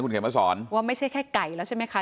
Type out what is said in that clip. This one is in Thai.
เขียนมาสอนว่าไม่ใช่แค่ไก่แล้วใช่ไหมคะ